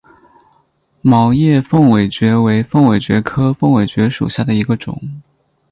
毛叶凤尾蕨为凤尾蕨科凤尾蕨属下的一个种。